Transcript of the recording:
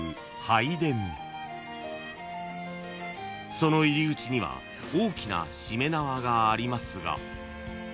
［その入り口には大きなしめ縄がありますが］